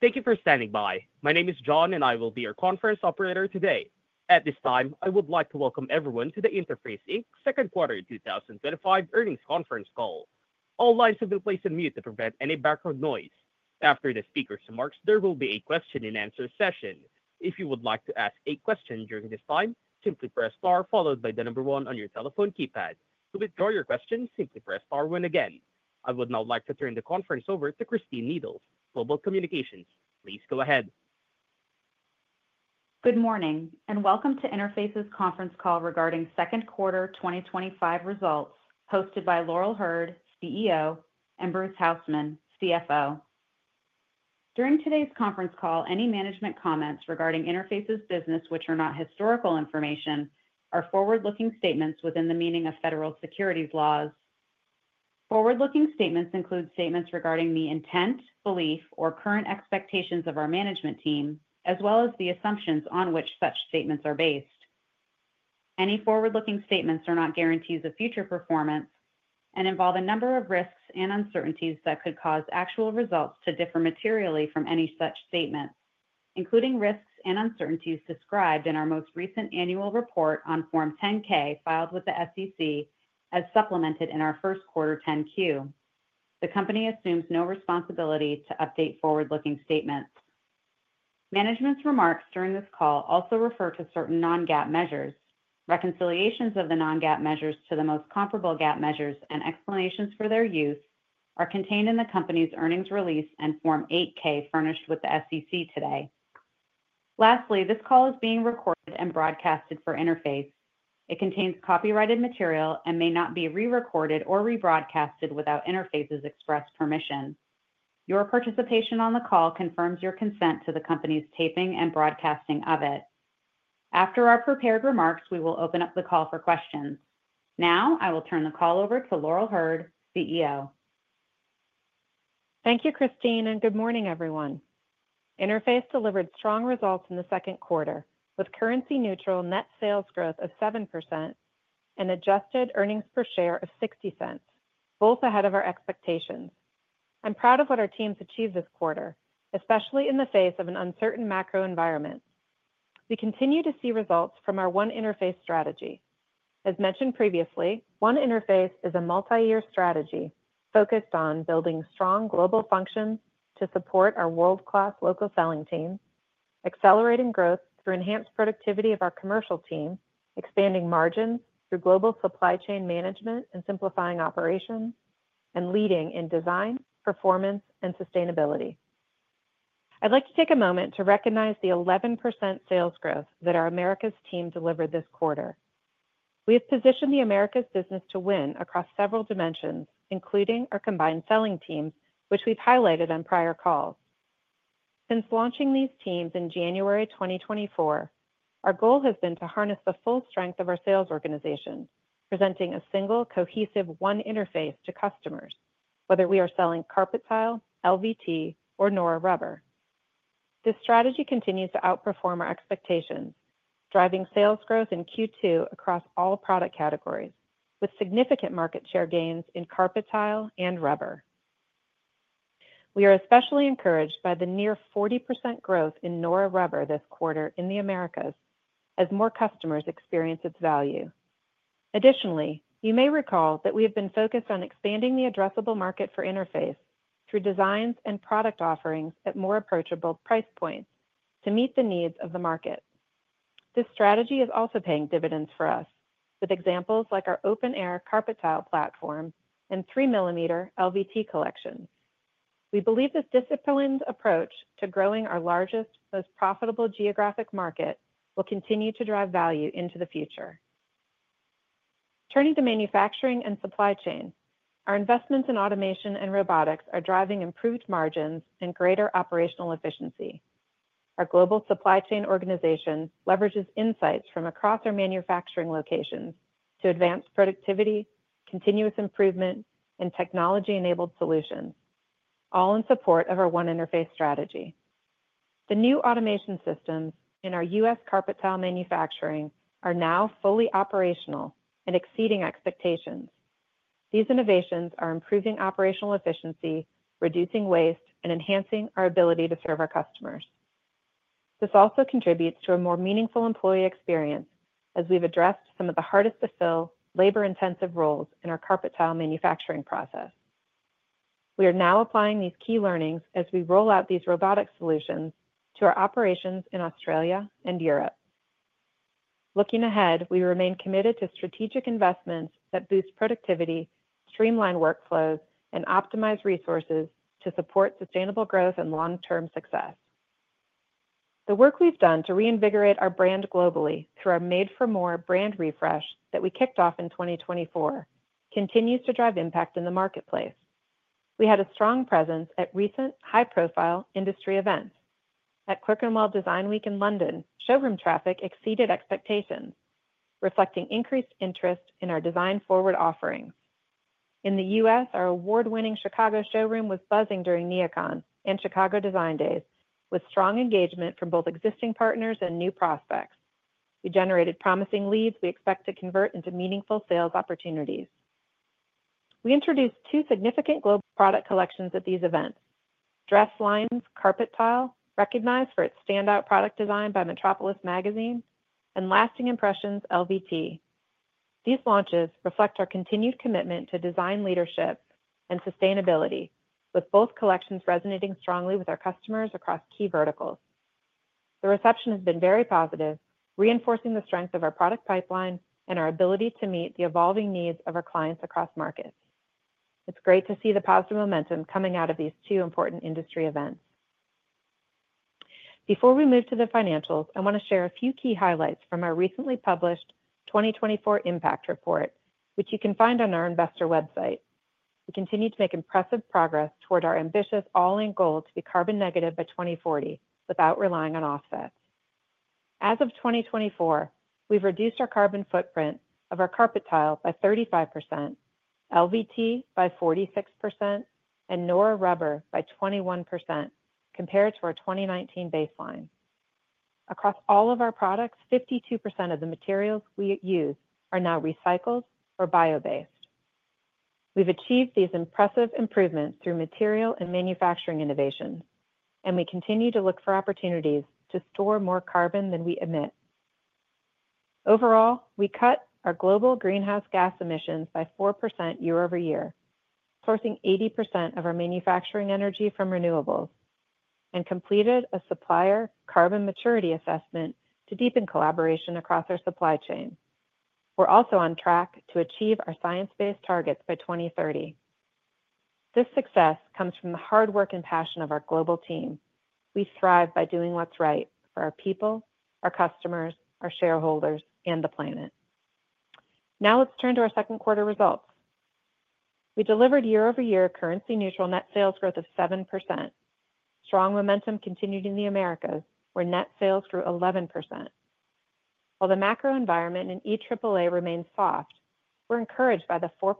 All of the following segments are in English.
Thank you for standing by. My name is John, and I will be your conference operator today. At this time, I would like to welcome everyone to the Interface Inc. Second Quarter 2025 Earnings Conference Call. All lines have been placed on mute to prevent any background noise. After the speaker remarks, there will be a question and answer session. If you would like to ask a question during this time, simply press star followed by the number one on your telephone keypad. To withdraw your question, simply press star one again. I would now like to turn the conference over to Christine Needles, Global Communications. Please go ahead. Good morning and welcome to Interface's conference call regarding Second Quarter 2025 results, hosted by Laurel Hurd, CEO, and Bruce Hausmann, CFO. During today's conference call, any management comments regarding Interface's business, which are not historical information, are forward-looking statements within the meaning of federal securities laws. Forward-looking statements include statements regarding the intent, belief, or current expectations of our management team, as well as the assumptions on which such statements are based. Any forward-looking statements are not guarantees of future performance and involve a number of risks and uncertainties that could cause actual results to differ materially from any such statement, including risks and uncertainties described in our most recent annual report on Form 10-K filed with the SEC as supplemented in our First Quarter 10-Q. The company assumes no responsibility to update forward-looking statements. Management's remarks during this call also refer to certain non-GAAP measures. Reconciliations of the non-GAAP measures to the most comparable GAAP measures and explanations for their use are contained in the company's earnings release and Form 8-K furnished with the SEC today. Lastly, this call is being recorded and broadcast for Interface. It contains copyrighted material and may not be rerecorded or rebroadcast without Interface's express permission. Your participation on the call confirms your consent to the company's taping and broadcasting of it. After our prepared remarks, we will open up the call for questions. Now, I will turn the call over to Laurel Hurd, CEO. Thank you, Christine, and good morning, everyone. Interface delivered strong results in the second quarter, with currency-neutral net sales growth of 7% and adjusted earnings per share of $0.60, both ahead of our expectations. I'm proud of what our teams achieved this quarter, especially in the face of an uncertain macro environment. We continue to see results from our One Interface strategy. As mentioned previously, One Interface is a multi-year strategy focused on building strong global functions to support our world-class local selling team, accelerating growth through enhanced productivity of our commercial team, expanding margins through global supply chain management and simplifying operations, and leading in design, performance, and sustainability. I'd like to take a moment to recognize the 11% sales growth that our Americas team delivered this quarter. We have positioned the Americas business to win across several dimensions, including our combined selling team, which we've highlighted on prior calls. Since launching these teams in January 2024, our goal has been to harness the full strength of our sales organization, presenting a single, cohesive One Interface to customers, whether we are selling carpet tile, LVT, or Nora rubber. This strategy continues to outperform our expectations, driving sales growth in Q2 across all product categories, with significant market share gains in carpet tile and rubber. We are especially encouraged by the near 40% growth in Nora rubber this quarter in the Americas, as more customers experience its value. Additionally, you may recall that we have been focused on expanding the addressable market for Interface through designs and product offerings at more approachable price points to meet the needs of the market. This strategy is also paying dividends for us, with examples like our open air carpet tile platform and three millimeter LVT collections. We believe this disciplined approach to growing our largest, most profitable geographic market will continue to drive value into the future. Turning to manufacturing and supply chain, our investments in automation and robotics are driving improved margins and greater operational efficiency. Our global supply chain organization leverages insights from across our manufacturing locations to advance productivity, continuous improvement, and technology-enabled solutions, all in support of our One Interface strategy. The new automation systems in our U.S. carpet tile manufacturing are now fully operational and exceeding expectations. These innovations are improving operational efficiency, reducing waste, and enhancing our ability to serve our customers. This also contributes to a more meaningful employee experience, as we've addressed some of the hardest to fill labor-intensive roles in our carpet tile manufacturing process. We are now applying these key learnings as we roll out these robotic solutions to our operations in Australia and Europe. Looking ahead, we remain committed to strategic investments that boost productivity, streamline workflows, and optimize resources to support sustainable growth and long-term success. The work we've done to reinvigorate our brand globally through our Made for More brand refresh that we kicked off in 2024 continues to drive impact in the marketplace. We had a strong presence at recent high-profile industry events. At Clerkenwell Design Week in London, showroom traffic exceeded expectations, reflecting increased interest in our design-forward offerings. In the U.S., our award-winning Chicago showroom was buzzing during NEOCON and Chicago Design Days, with strong engagement from both existing partners and new prospects. We generated promising leads we expect to convert into meaningful sales opportunities. We introduced two significant global product collections at these events: Dress Lines carpet tile, recognized for its standout product design by Metropolis Magazine, and Lasting Impressions LVT. These launches reflect our continued commitment to design and sustainability leadership, with both collections resonating strongly with our customers across key verticals. The reception has been very positive, reinforcing the strength of our product pipeline and our ability to meet the evolving needs of our clients across markets. It's great to see the positive momentum coming out of these two important industry events. Before we move to the financials, I want to share a few key highlights from our recently published 2024 Impact Report, which you can find on our investor website. We continue to make impressive progress toward our ambitious all-in goal to be carbon negative by 2040 without relying on offsets. As of 2024, we've reduced our carbon footprint of our carpet tile by 35%, LVT by 46%, and Nora rubber by 21% compared to our 2019 baseline. Across all of our products, 52% of the materials we use are now recycled or bio-based. We've achieved these impressive improvements through material and manufacturing innovations, and we continue to look for opportunities to store more carbon than we emit overall. We cut our global greenhouse gas emissions by 4% year-over-year, sourcing 80% of our manufacturing energy from renewables, and completed a supplier carbon maturity assessment to deepen collaboration across our supply chain. We're also on track to achieve our science-based targets by 2030. This success comes from the hard work and passion of our global team. We thrive by doing what's right for our people, our customers, our shareholders, and the planet. Now let's turn to our second quarter results. We delivered year-over-year currency-neutral net sales growth of 7%. Strong momentum continued in the Americas, where net sales grew 11%. While the macro environment in EAAA remains soft, we're encouraged by the 4%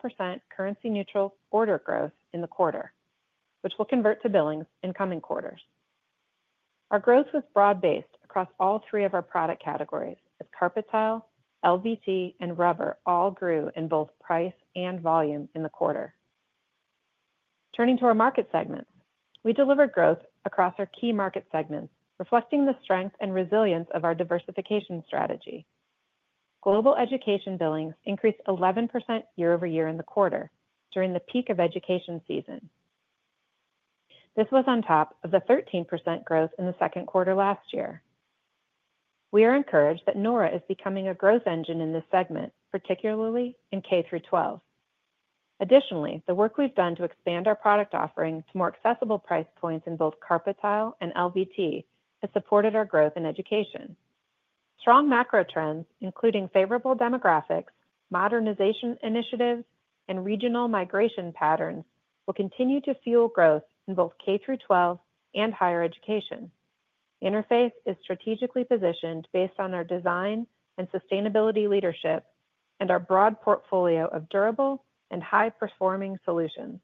currency-neutral order growth in the quarter, which will convert to billings in coming quarters. Our growth was broad-based across all three of our product categories, as carpet tile, LVT, and rubber all grew in both price and volume in the quarter. Turning to our market segments, we delivered growth across our key market segments, reflecting the strength and resilience of our diversification strategy. Global education billings increased 11% year-over-year in the quarter during the peak of education season. This was on top of the 13% growth in the second quarter last year. We are encouraged that Nora is becoming a growth engine in this segment, particularly in K-12. Additionally, the work we've done to expand our product offering to more accessible price points in both carpet tile and LVT has supported our growth in education. Strong macro trends, including favorable demographics, modernization initiatives, and regional migration patterns, will continue to fuel growth in both K-12 and higher education. Interface is strategically positioned based on our design and sustainability leadership and our broad portfolio of durable and high-performing solutions.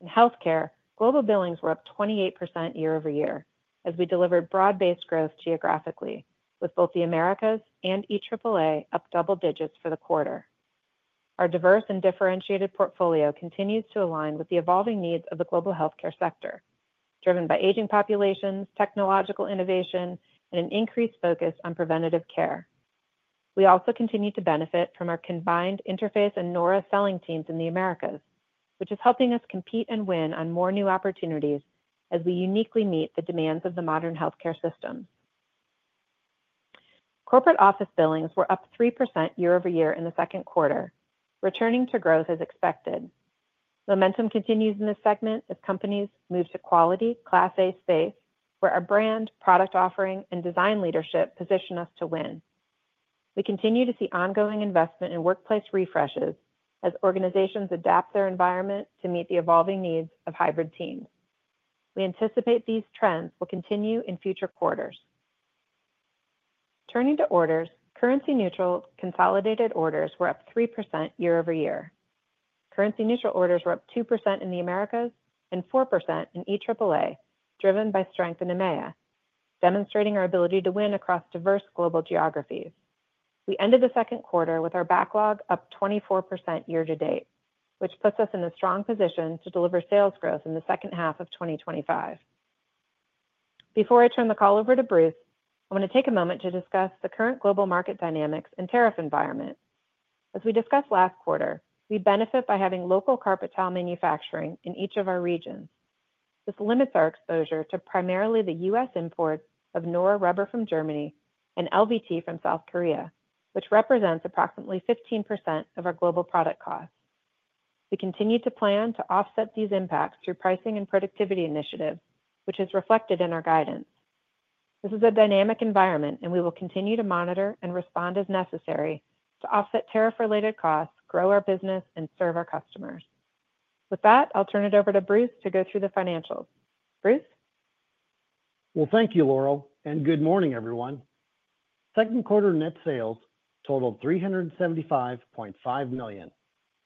In healthcare, global billings were up 28% year-over-year as we delivered broad-based growth geographically, with both the Americas and EAAA up double digits for the quarter. Our diverse and differentiated portfolio continues to align with the evolving needs of the global healthcare sector, driven by aging populations, technological innovation, and an increased focus on preventative care. We also continue to benefit from our combined Interface and Nora selling teams in the Americas, which is helping us compete and win on more new opportunities as we uniquely meet the demands of the modern healthcare system. Corporate office billings were up 3% year-over-year in the second quarter, returning to growth as expected. Momentum continues in this segment as companies move to quality, class A space, where our brand, product offering, and design leadership position us to win. We continue to see ongoing investment in workplace refreshes as organizations adapt their environment to meet the evolving needs of hybrid teams. We anticipate these trends will continue in future quarters. Turning to orders, currency-neutral consolidated orders were up 3% year-over-year. Currency-neutral orders were up 2% in the Americas and 4% in EAAA, driven by strength in EAAA, demonstrating our ability to win across diverse global geographies. We ended the second quarter with our backlog up 24% year to date, which puts us in a strong position to deliver sales growth in the second half of 2025. Before I turn the call over to Bruce, I want to take a moment to discuss the current global market dynamics and tariff environment. As we discussed last quarter, we benefit by having local carpet tile manufacturing in each of our regions. This limits our exposure to primarily the U.S. imports of Nora rubber from Germany and LVT from South Korea, which represents approximately 15% of our global product costs. We continue to plan to offset these impacts through pricing and productivity initiatives, which is reflected in our guidance. This is a dynamic environment, and we will continue to monitor and respond as necessary to offset tariff-related costs, grow our business, and serve our customers. With that, I'll turn it over to Bruce to go through the financials. Bruce? Thank you, Laurel, and good morning, everyone. Second quarter net sales totaled $375.5 million,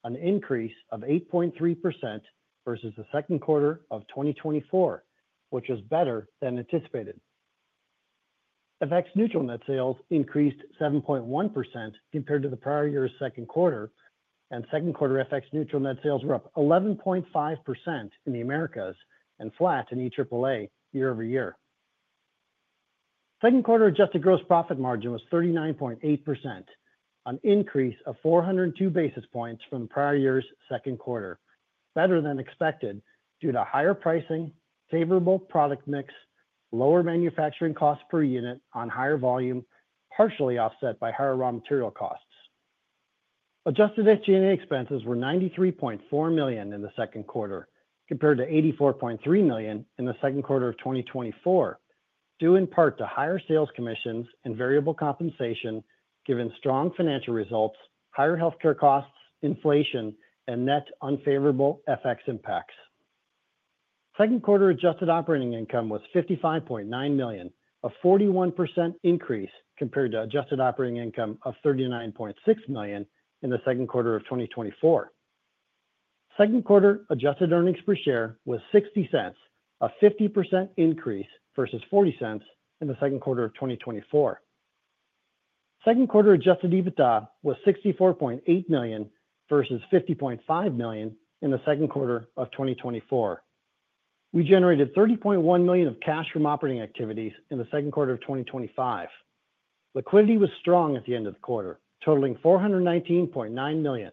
an increase of 8.3% versus the second quarter of 2024, which is better than anticipated. FX neutral net sales increased 7.1% compared to the prior year's second quarter, and second quarter FX neutral net sales were up 11.5% in the Americas and flat in EAAA year-over-year. Second quarter adjusted gross profit margin was 39.8%, an increase of 402 basis points from the prior year's second quarter, better than expected due to higher pricing, favorable product mix, lower manufacturing costs per unit on higher volume, partially offset by higher raw material costs. Adjusted SG&A expenses were $93.4 million in the second quarter, compared to $84.3 million in the second quarter of 2024, due in part to higher sales commissions and variable compensation, given strong financial results, higher healthcare costs, inflation, and net unfavorable FX impacts. Second quarter adjusted operating income was $55.9 million, a 41% increase compared to adjusted operating income of $39.6 million in the second quarter of 2024. Second quarter adjusted earnings per share was $0.60, a 50% increase versus $0.40 in the second quarter of 2024. Second quarter adjusted EBITDA was $64.8 million versus $50.5 million in the second quarter of 2024. We generated $30.1 million of cash from operating activities in the second quarter of 2025. Liquidity was strong at the end of the quarter, totaling $419.9 million.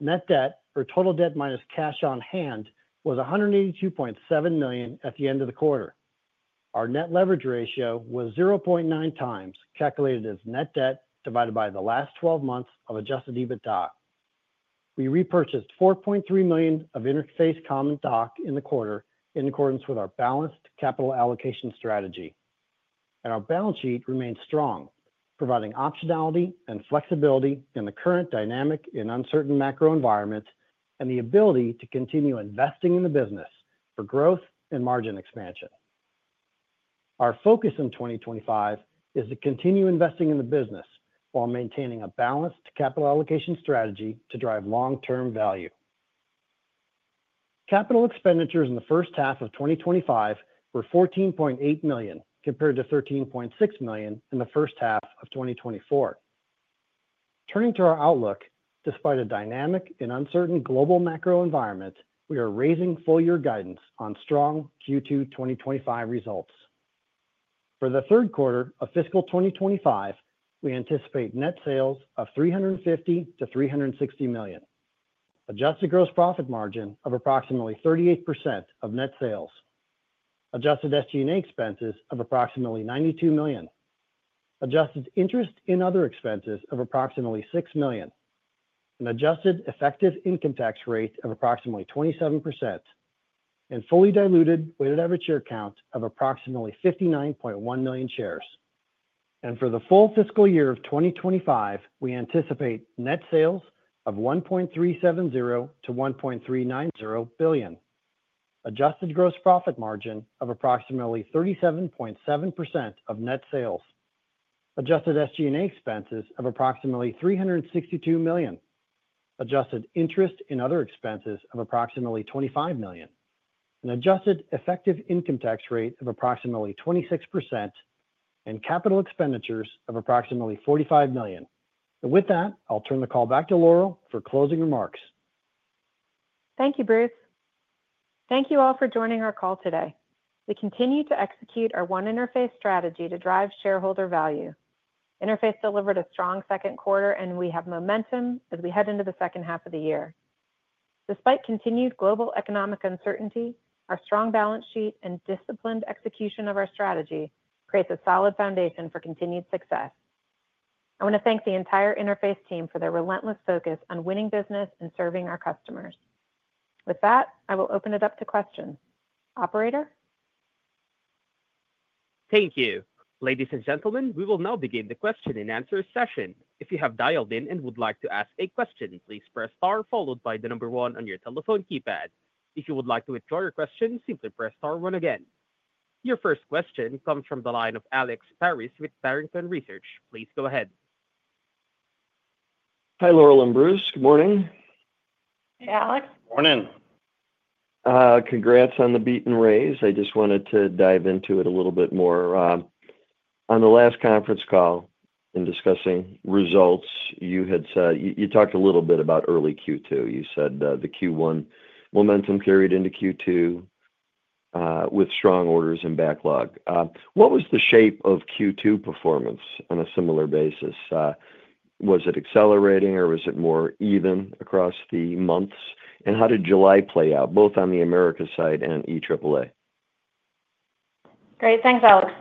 Net debt, or total debt minus cash on hand, was $182.7 million at the end of the quarter. Our net leverage ratio was 0.9 times, calculated as net debt divided by the last 12 months of adjusted EBITDA. We repurchased $4.3 million of Interface Common Stock in the quarter, in accordance with our balanced capital allocation strategy. Our balance sheet remains strong, providing optionality and flexibility in the current dynamic and uncertain macro environments, and the ability to continue investing in the business for growth and margin expansion. Our focus in 2025 is to continue investing in the business while maintaining a balanced capital allocation strategy to drive long-term value. Capital expenditures in the first half of 2025 were $14.8 million, compared to $13.6 million in the first half of 2024. Turning to our outlook, despite a dynamic and uncertain global macro environment, we are raising full-year guidance on strong Q2 2025 results. For the third quarter of fiscal 2025, we anticipate net sales of $350 million-$360 million, adjusted gross profit margin of approximately 38% of net sales, adjusted SG&A expenses of approximately $92 million, adjusted interest and other expenses of approximately $6 million, an adjusted effective income tax rate of approximately 27%, and fully diluted weighted average share count of approximately $59.1 million shares. For the full fiscal year of 2025, we anticipate net sales of $1.370 billion-$1.390 billion, adjusted gross profit margin of approximately 37.7% of net sales, adjusted SG&A expenses of approximately $362 million, adjusted interest and other expenses of approximately $25 million, an adjusted effective income tax rate of approximately 26%, and capital expenditures of approximately $45 million. With that, I'll turn the call back to Laurel for closing remarks. Thank you, Bruce. Thank you all for joining our call today. We continue to execute our One Interface strategy to drive shareholder value. Interface delivered a strong second quarter, and we have momentum as we head into the second half of the year. Despite continued global economic uncertainty, our strong balance sheet and disciplined execution of our strategy create a solid foundation for continued success. I want to thank the entire Interface team for their relentless focus on winning business and serving our customers. With that, I will open it up to questions. Operator? Thank you. Ladies and gentlemen, we will now begin the question and answer session. If you have dialed in and would like to ask a question, please press star followed by the number one on your telephone keypad. If you would like to withdraw your question, simply press star one again. Your first question comes from the line of Alex Paris with Barrington Research. Please go ahead. Hi, Laurel and Bruce. Good morning. Hey, Alex. Morning. Congrats on the beat and raise. I just wanted to dive into it a little bit more. On the last conference call, in discussing results, you had said you talked a little bit about early Q2. You said the Q1 momentum carried into Q2 with strong orders and backlog. What was the shape of Q2 performance on a similar basis? Was it accelerating or was it more even across the months? How did July play out, both on the Americas side and EAAA? Great. Thanks, Alex.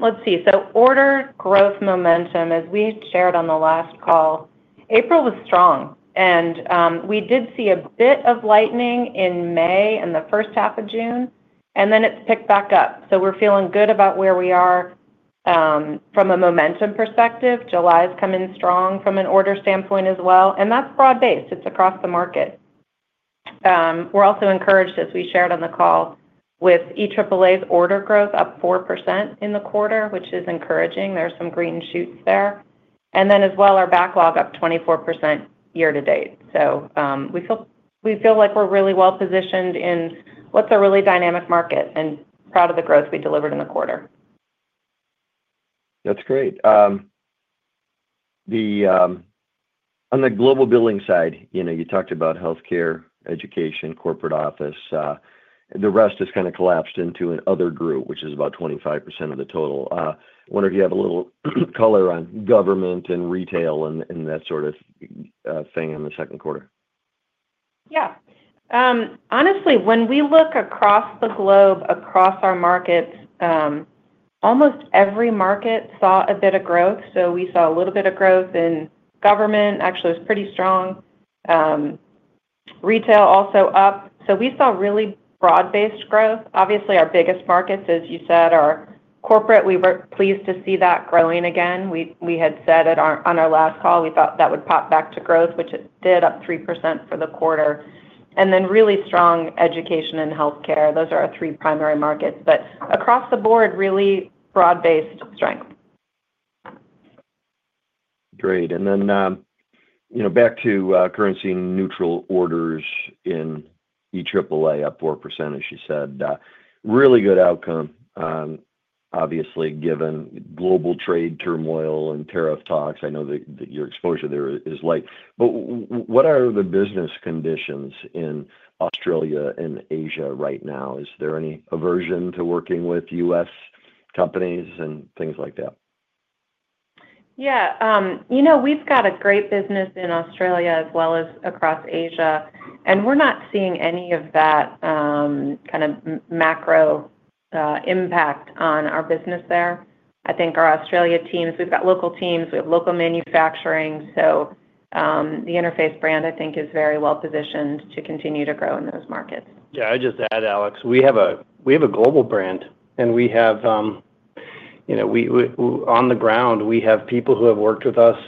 Let's see. Order growth momentum, as we shared on the last call, April was strong. We did see a bit of lightening in May and the first half of June, then it's picked back up. We're feeling good about where we are from a momentum perspective. July is coming strong from an order standpoint as well, and that's broad-based. It's across the market. We're also encouraged, as we shared on the call, with EAAA's order growth up 4% in the quarter, which is encouraging. There are some green shoots there. Our backlog is up 24% year to date. We feel like we're really well positioned in what's a really dynamic market and proud of the growth we delivered in the quarter. That's great. On the global billing side, you talked about healthcare, education, corporate office. The rest has kind of collapsed into an other group, which is about 25% of the total. I wonder if you have a little color on government and retail and that sort of thing in the second quarter. Honestly, when we look across the globe, across our markets, almost every market saw a bit of growth. We saw a little bit of growth in government. Actually, it was pretty strong. Retail also up. We saw really broad-based growth. Obviously, our biggest markets, as you said, are corporate. We were pleased to see that growing again. We had said on our last call we thought that would pop back to growth, which it did, up 3% for the quarter. Really strong education and healthcare. Those are our three primary markets. Across the board, really broad-based strength. Great. Back to currency-neutral orders in EAAA, up 4%, as you said. Really good outcome, obviously, given global trade turmoil and tariff talks. I know that your exposure there is light. What are the business conditions in Australia and Asia right now? Is there any aversion to working with U.S. companies and things like that? Yeah, we've got a great business in Australia as well as across Asia, and we're not seeing any of that kind of macro impact on our business there. I think our Australia teams, we've got local teams, we have local manufacturing. The Interface brand, I think, is very well positioned to continue to grow in those markets. Yeah, I'd just add, Alex, we have a global brand. We have, you know, on the ground, we have people who have worked with us,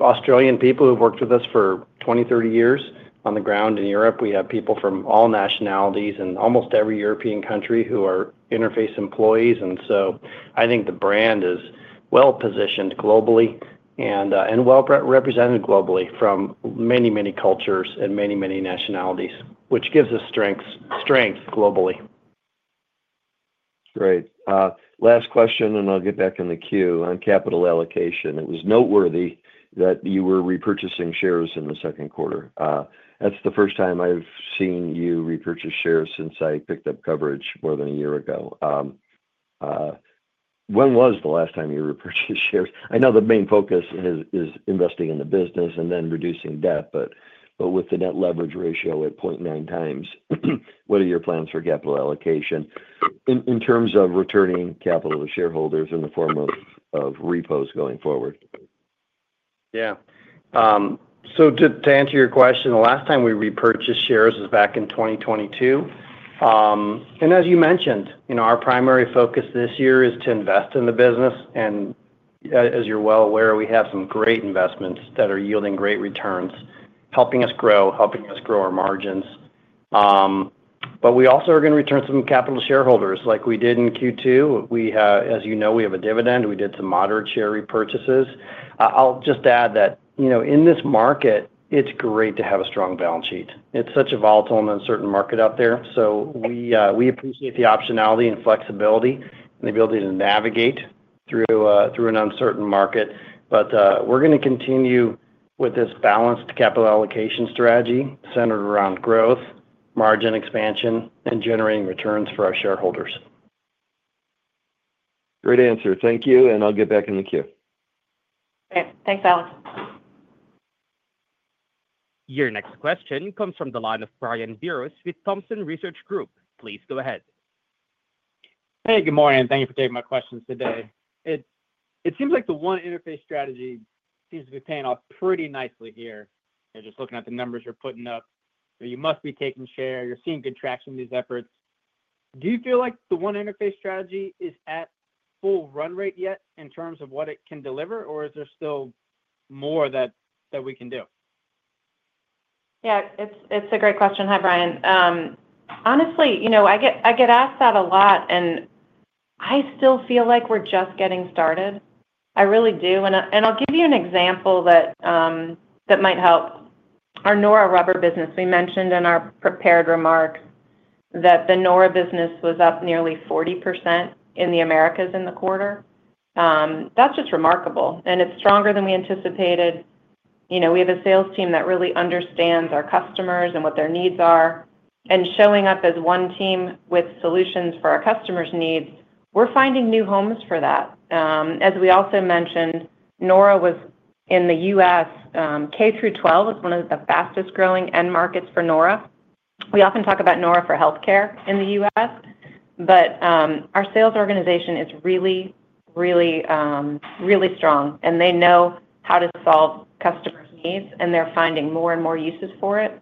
Australian people who have worked with us for 20-30 years on the ground in Europe. We have people from all nationalities and almost every European country who are Interface employees. I think the brand is well positioned globally and well represented globally from many, many cultures and many, many nationalities, which gives us strength globally. Great. Last question, and I'll get back in the queue on capital allocation. It was noteworthy that you were repurchasing shares in the second quarter. That's the first time I've seen you repurchase shares since I picked up coverage more than a year ago. When was the last time you repurchased shares? I know the main focus is investing in the business and then reducing debt, but with the net leverage ratio at 0.9 times, what are your plans for capital allocation in terms of returning capital to shareholders in the form of repos going forward? Yeah. To answer your question, the last time we repurchased shares was back in 2022. As you mentioned, our primary focus this year is to invest in the business. As you're well aware, we have some great investments that are yielding great returns, helping us grow, helping us grow our margins. We also are going to return some capital to shareholders like we did in Q2. As you know, we have a dividend. We did some moderate share repurchases. I'll just add that in this market, it's great to have a strong balance sheet. It's such a volatile and uncertain market out there. We appreciate the optionality and flexibility and the ability to navigate through an uncertain market. We're going to continue with this balanced capital allocation strategy centered around growth, margin expansion, and generating returns for our shareholders. Great answer. Thank you. I'll get back in the queue. Thanks, Alex. Your next question comes from the line of Brian Biros with Thompson Research Group. Please go ahead. Good morning. Thank you for taking my questions today. It seems like the One Interface strategy seems to be paying off pretty nicely here. Just looking at the numbers you're putting up, you must be taking share. You're seeing good traction in these efforts. Do you feel like the One Interface strategy is at full run rate yet in terms of what it can deliver, or is there still more that we can do? Yeah, it's a great question. Hi, Brian. Honestly, you know, I get asked that a lot, and I still feel like we're just getting started. I really do. I'll give you an example that might help. Our Nora rubber business, we mentioned in our prepared remark that the Nora business was up nearly 40% in the Americas in the quarter. That's just remarkable. It's stronger than we anticipated. You know, we have a sales team that really understands our customers and what their needs are. Showing up as one team with solutions for our customers' needs, we're finding new homes for that. As we also mentioned, Nora was in the U.S. K-12 is one of the fastest growing end markets for Nora. We often talk about Nora for healthcare in the U.S. Our sales organization is really, really, really strong. They know how to solve customers' needs, and they're finding more and more uses for it.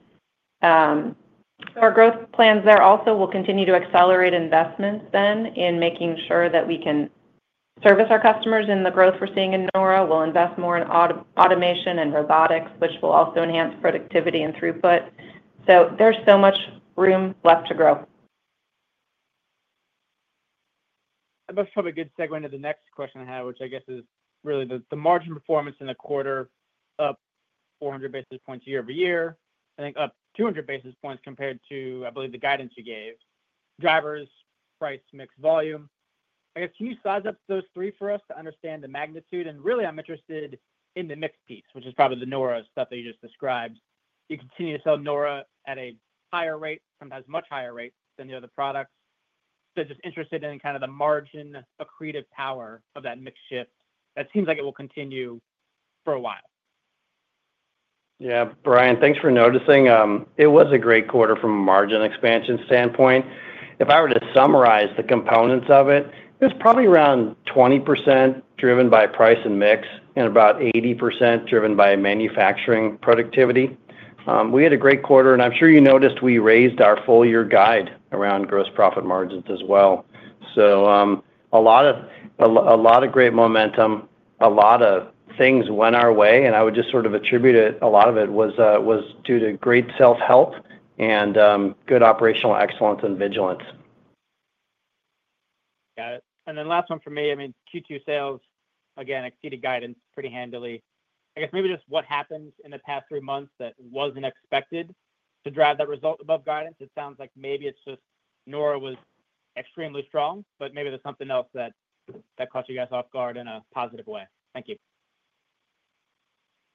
Our growth plans there also will continue to accelerate investments in making sure that we can service our customers in the growth we're seeing in Nora. We'll invest more in automation and robotics, which will also enhance productivity and throughput. There's so much room left to grow. I have a good segment of the next question I have, which I guess is really the margin performance in the quarter, up 400 basis points year-over-year. I think up 200 basis points compared to, I believe, the guidance you gave. Drivers, price, mix, volume. Can you size up those three for us to understand the magnitude? I'm interested in the mix piece, which is probably the Nora stuff that you just described. You continue to sell Nora at a higher rate, sometimes much higher rate than the other products. I'm just interested in the margin accretive power of that mix shift. That seems like it will continue for a while. Yeah, Brian, thanks for noticing. It was a great quarter from a margin expansion standpoint. If I were to summarize the components of it, it was probably around 20% driven by price and mix and about 80% driven by manufacturing productivity. We had a great quarter, and I'm sure you noticed we raised our full-year guide around gross profit margins as well. A lot of great momentum, a lot of things went our way. I would just sort of attribute it, a lot of it was due to great self-help and good operational excellence and vigilance. Got it. Last one for me. Q2 sales, again, exceeded guidance pretty handily. I guess maybe just what happened in the past three months that wasn't expected to drive that result above guidance? It sounds like maybe it's just Nora was extremely strong, but maybe there's something else that caught you guys off guard in a positive way. Thank you.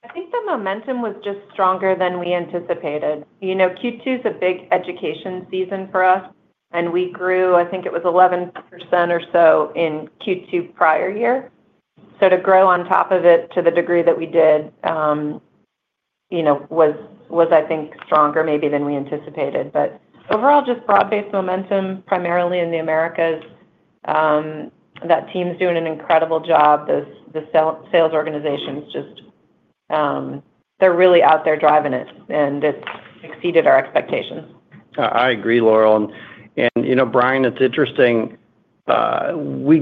I think the momentum was just stronger than we anticipated. Q2 is a big education season for us, and we grew, I think it was 11% or so in Q2 prior year. To grow on top of it to the degree that we did was, I think, stronger maybe than we anticipated. Overall, just broad-based momentum primarily in the Americas. That team's doing an incredible job. The sales organizations, they're really out there driving it, and it's exceeded our expectations. I agree, Laurel. You know, Brian, it's interesting. We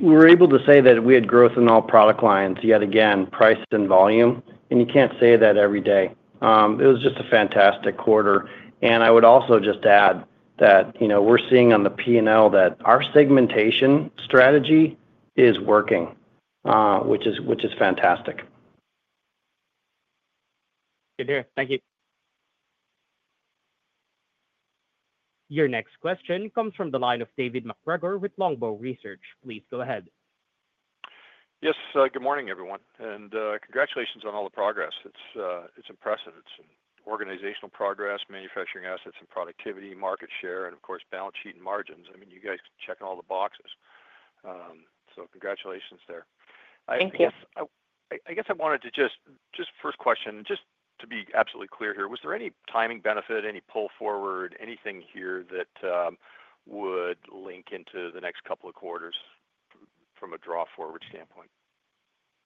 were able to say that we had growth in all product lines yet again, priced in volume. You can't say that every day. It was just a fantastic quarter. I would also just add that we're seeing on the P&L that our segmentation strategy is working, which is fantastic. Good to hear. Thank you. Your next question comes from the line of David MacGregor with Longbow Research. Please go ahead. Yes, good morning, everyone. Congratulations on all the progress. It's impressive. It's organizational progress, manufacturing assets and productivity, market share, and of course, balance sheet and margins. I mean, you guys are checking all the boxes. Congratulations there. Thank you. I wanted to just, first question, just to be absolutely clear here, was there any timing benefit, any pull forward, anything here that would link into the next couple of quarters from a draw forward standpoint?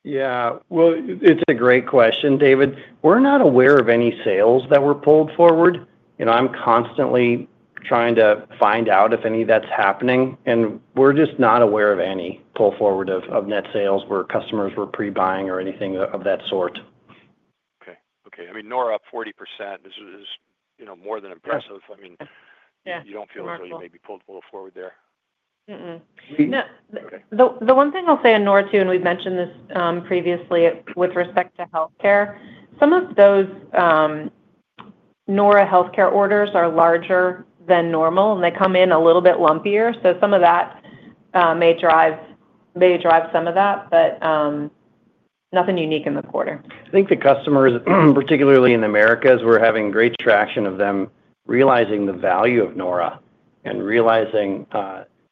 Yeah, it's a great question, David. We're not aware of any sales that were pulled forward. I'm constantly trying to find out if any of that's happening, and we're just not aware of any pull forward of net sales where customers were pre-buying or anything of that sort. Okay. Okay. I mean, Nora up 40%. This is, you know, more than impressive. I mean, you don't feel as though you may be pulled forward there? The one thing I'll say on Nora too, and we've mentioned this previously with respect to healthcare, some of those Nora healthcare orders are larger than normal, and they come in a little bit lumpier. Some of that may drive some of that, but nothing unique in the quarter. I think the customers, particularly in the Americas, were having great traction of them realizing the value of Nora and realizing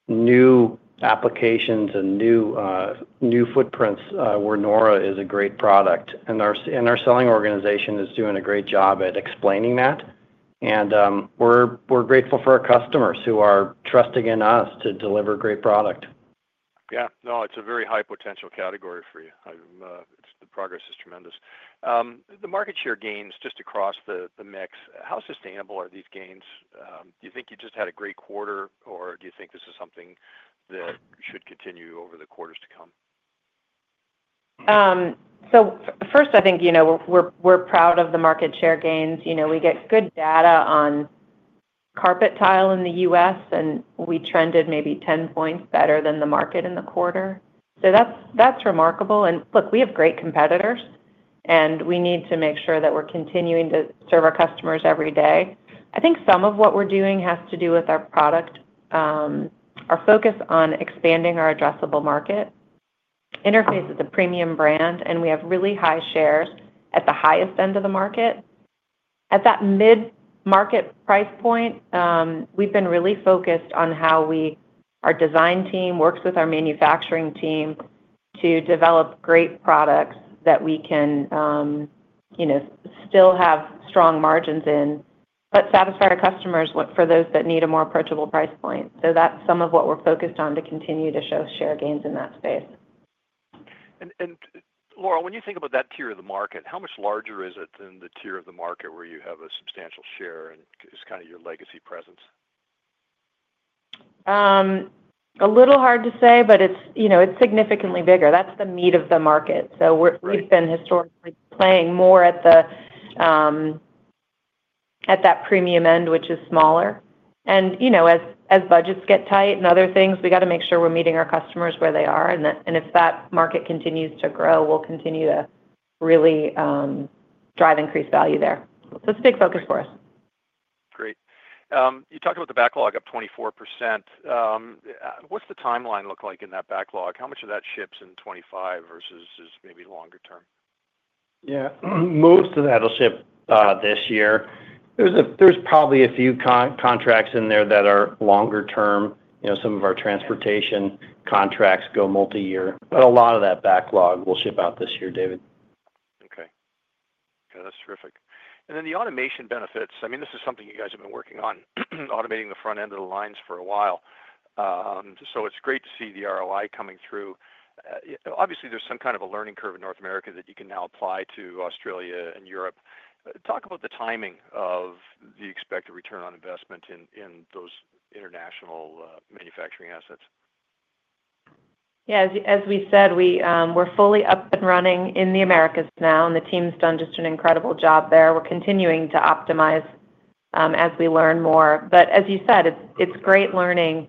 new applications and new footprints where Nora is a great product. Our selling organization is doing a great job at explaining that. We're grateful for our customers who are trusting in us to deliver a great product. Yeah, no, it's a very high potential category for you. The progress is tremendous. The market share gains just across the mix, how sustainable are these gains? Do you think you just had a great quarter, or do you think this is something that should continue over the quarters to come? First, I think we're proud of the market share gains. We get good data on carpet tile in the U.S., and we trended maybe 10% better than the market in the quarter. That's remarkable. Look, we have great competitors, and we need to make sure that we're continuing to serve our customers every day. I think some of what we're doing has to do with our product, our focus on expanding our addressable market. Interface is a premium brand, and we have really high shares at the highest end of the market. At that mid-market price point, we've been really focused on how our design team works with our manufacturing team to develop great products that we can still have strong margins in, but satisfy our customers for those that need a more approachable price point. That's some of what we're focused on to continue to show share gains in that space. Laurel, when you think about that tier of the market, how much larger is it than the tier of the market where you have a substantial share and it's kind of your legacy presence? A little hard to say, but it's significantly bigger. That's the meat of the market. We've been historically playing more at that premium end, which is smaller. As budgets get tight and other things, we've got to make sure we're meeting our customers where they are. If that market continues to grow, we'll continue to really drive increased value there. It's a big focus for us. Great. You talked about the backlog up 24%. What's the timeline look like in that backlog? How much of that ships in 2025 versus is maybe longer term? Yeah, most of that will ship this year. There's probably a few contracts in there that are longer term. You know, some of our transportation contracts go multi-year, but a lot of that backlog will ship out this year, David. Okay, that's terrific. The automation benefits, I mean, this is something you guys have been working on, automating the front end of the lines for a while. It's great to see the ROI coming through. Obviously, there's some kind of a learning curve in North America that you can now apply to Australia and Europe. Talk about the timing of the expected return on investment in those international manufacturing assets. Yeah. As we said, we're fully up and running in the Americas now, and the team's done just an incredible job there. We're continuing to optimize as we learn more. As you said, it's great learning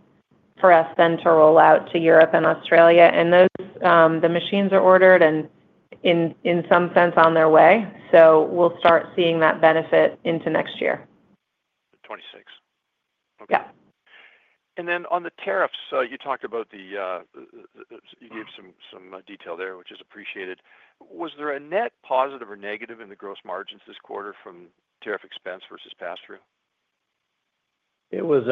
for us then to roll out to Europe and Australia. The machines are ordered and in some sense on their way. We'll start seeing that benefit into next year. The 2026. Okay. Yeah. On the tariffs, you gave some detail there, which is appreciated. Was there a net positive or negative in the gross margins this quarter from tariff expense versus pass-through? It was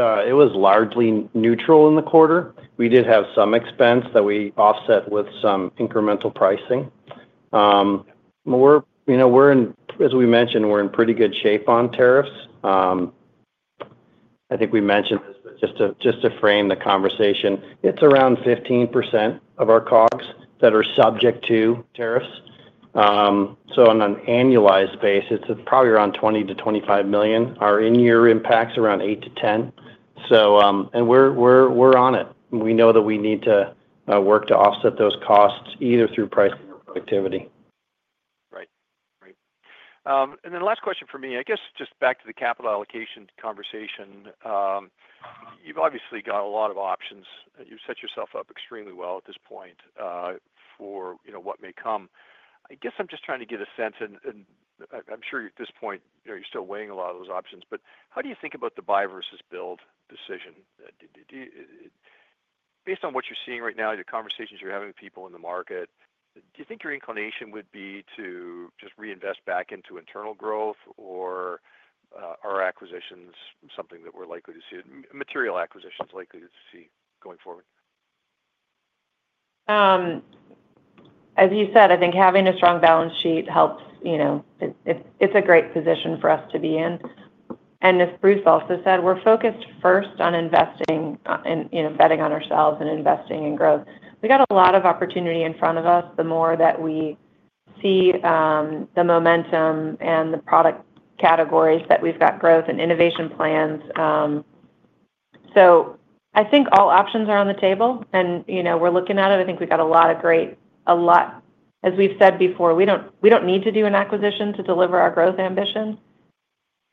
largely neutral in the quarter. We did have some expense that we offset with some incremental pricing. You know, as we mentioned, we're in pretty good shape on tariffs. I think we mentioned this, but just to frame the conversation, it's around 15% of our COGS that are subject to tariffs. On an annualized basis, it's probably around $20 million-$25 million. Our in-year impacts are around $8 million-$10 million. We're on it. We know that we need to work to offset those costs either through price or productivity. Right. Then last question for me, just back to the capital allocation conversation. You've obviously got a lot of options. You've set yourself up extremely well at this point for what may come. I'm just trying to get a sense, and I'm sure at this point you're still weighing a lot of those options. How do you think about the buy versus build decision? Based on what you're seeing right now, the conversations you're having with people in the market, do you think your inclination would be to just reinvest back into internal growth or are acquisitions something that we're likely to see, material acquisitions likely to see going forward? As you said, I think having a strong balance sheet helps, you know, it's a great position for us to be in. As Bruce also said, we're focused first on investing and betting on ourselves and investing in growth. We got a lot of opportunity in front of us. The more that we see the momentum and the product categories that we've got, growth and innovation plans. I think all options are on the table, and you know, we're looking at it. I think we got a lot of great, a lot. As we've said before, we don't need to do an acquisition to deliver our growth ambition.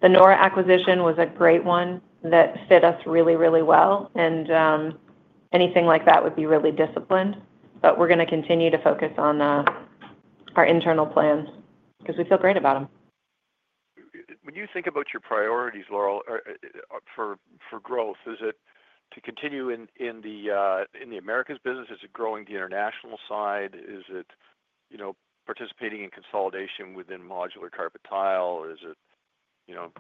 The Nora acquisition was a great one that fit us really, really well. Anything like that would be really disciplined. We're going to continue to focus on our internal plans because we feel great about them. When you think about your priorities, Laurel, for growth, is it to continue in the Americas business? Is it growing the international side? Is it participating in consolidation within modular carpet tile? Is it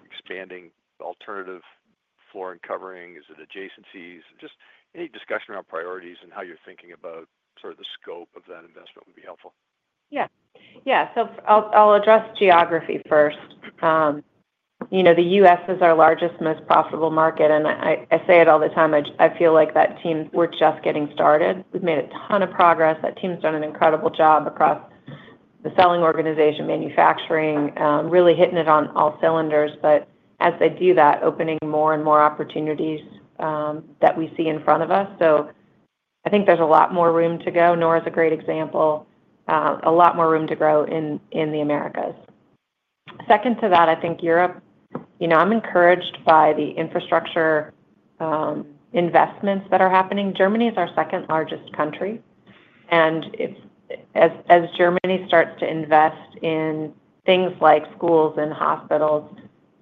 expanding alternative floor and covering? Is it adjacencies? Any discussion around priorities and how you're thinking about the scope of that investment would be helpful. Yeah. Yeah. I'll address geography first. The U.S. is our largest, most profitable market. I say it all the time. I feel like that team, we're just getting started. We've made a ton of progress. That team's done an incredible job across the selling organization, manufacturing, really hitting it on all cylinders. As they do that, opening more and more opportunities that we see in front of us. I think there's a lot more room to go. Nora is a great example. A lot more room to grow in the Americas. Second to that, I think Europe, I'm encouraged by the infrastructure investments that are happening. Germany is our second largest country. As Germany starts to invest in things like schools and hospitals,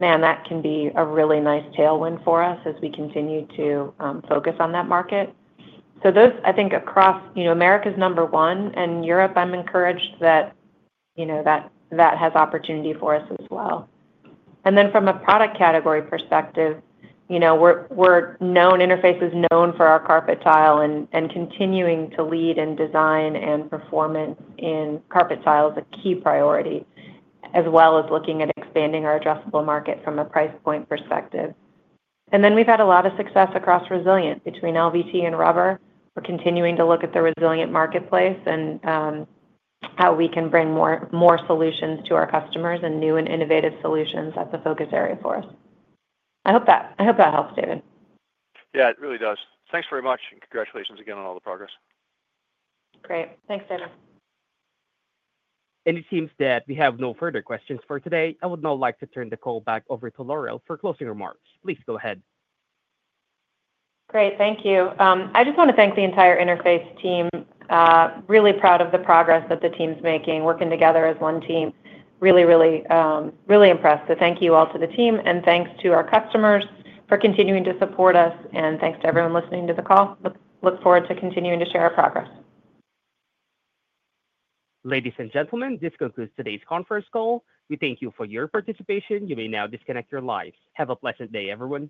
man, that can be a really nice tailwind for us as we continue to focus on that market. Across, you know, Americas number one. Europe, I'm encouraged that has opportunity for us as well. From a product category perspective, we're known, Interface is known for our carpet tile and continuing to lead in design and performance in carpet tile, the key priority, as well as looking at expanding our addressable market from a price point perspective. We've had a lot of success across resilient, between LVT and rubber. We're continuing to look at the resilient marketplace and how we can bring more solutions to our customers and new and innovative solutions at the focus area for us. I hope that helps, David. Yeah, it really does. Thanks very much, and congratulations again on all the progress. Great. Thanks, David. It seems that we have no further questions for today. I would now like to turn the call back over to Laurel for closing remarks. Please go ahead. Great. Thank you. I just want to thank the entire Interface team. Really proud of the progress that the team's making, working together as one team. Really, really impressed. Thank you all to the team, and thanks to our customers for continuing to support us. Thanks to everyone listening to the call. Look forward to continuing to share our progress. Ladies and gentlemen, this concludes today's conference call. We thank you for your participation. You may now disconnect your lines. Have a pleasant day, everyone.